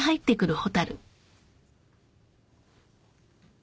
蛍！